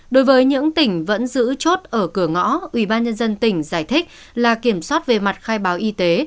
đối với những tỉnh vẫn giữ chốt ở cửa ngõ ubnd tỉnh giải thích là kiểm soát về mặt khai báo y tế